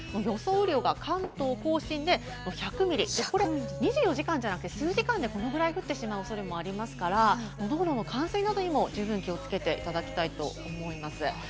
雨量が関東甲信で１００ミリ、２４時間じゃなくて数時間でこのくらい降ってしまうおそれもありますから、道路の冠水などにも十分気をつけていただきたいと思います。